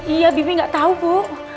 iya bibi nggak tahu bu